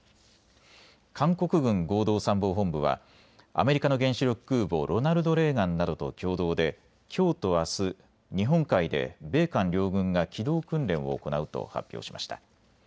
韓国軍合同参謀本部はアメリカの原子力空母、ロナルド・レーガンなどと共同できょうとあす日本海で米韓両軍が機動訓練を行うと発表しました。